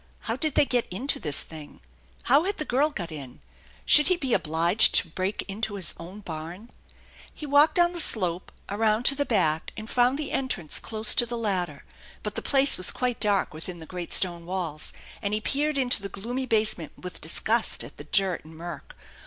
How did they get into this thing ? How had the girl got in ? Should he be obliged to break into his own barn? He walked down the slope, around to the back, and found the entrance close to the ladder ; but the place was quite dark within the great stone walls, and he peered into the gloomy basement with disgust at the dirt and murk.